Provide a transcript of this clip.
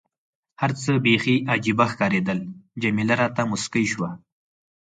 هر څه بیخي عجيبه ښکارېدل، جميله راته موسکۍ شوه.